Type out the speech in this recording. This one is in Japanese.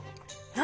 何？